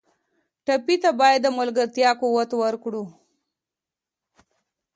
ټپي ته باید د ملګرتیا قوت ورکړو.